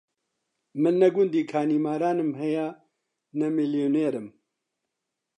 من نە گوندی کانیمارانم هەیە، نە میلیونێرم